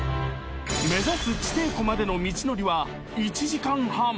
［目指す地底湖までの道のりは１時間半］